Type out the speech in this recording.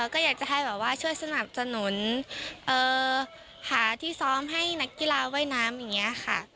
ก็อยากจะให้แบบว่าช่วยสนับสนุนหาที่ซ้อมให้นักกีฬาว่ายน้ำอย่างนี้ค่ะ